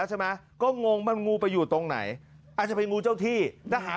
จะทิ้งไว้อย่างนี้หรอ